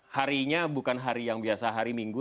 harinya bukan hari yang biasa hari minggu